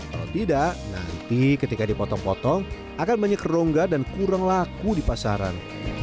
kalau tidak nanti ketika dipotong potong akan banyak rongga dan kurang laku di pasaran